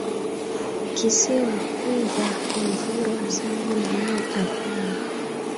Kisiwa huva huvirwa sana na mai a pwani